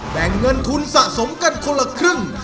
แบ่งเงินทุนสะสมกันคนละครึ่ง